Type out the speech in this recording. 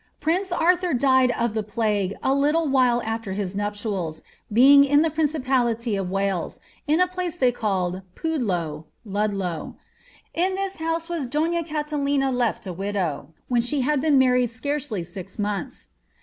^ Prince Arthur died of tlie plague a little while after his nuptials, being in the principality of Wales, in a place they call Pudlo ^Ludlow). In this house was donna Catalina left a widow, when she had been mar xied scarcely six months."